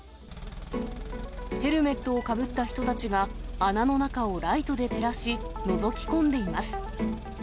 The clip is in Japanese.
ヘルメットをかぶった人たちが、穴の中をライトで照らし、のぞき込んでいます。